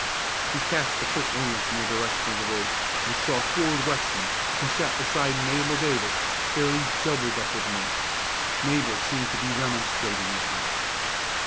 He cast a quick glance in the direction of the voice and saw Ford Weston, who sat beside Mabel Davis, fairly doubled up with mirth. Mabel seemed to be remonstrating with him.